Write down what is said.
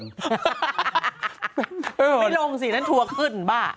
ไม่ลงสินั้นทัวร์ขึ้นบ้า